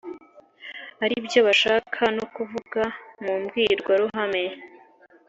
ari byo bashaka no kuvuga mu mbwirwaruhame.